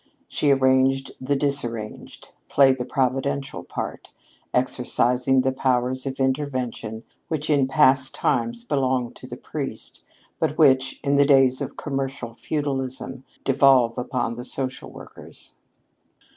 She arranged the disarranged; played the providential part, exercising the powers of intervention which in past times belonged to the priest, but which, in the days of commercial feudalism, devolve upon the social workers.